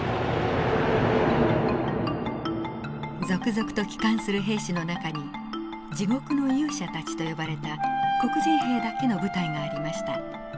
続々と帰還する兵士の中に「地獄の勇者たち」と呼ばれた黒人兵だけの部隊がありました。